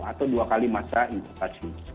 atau dua kali masa inkubasi